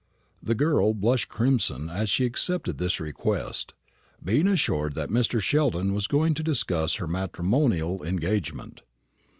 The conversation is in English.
The girl blushed crimson as she acceded to this request, being assured that Mr. Sheldon was going to discuss her matrimonial engagement.